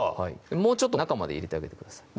もうちょっと中まで入れてあげてください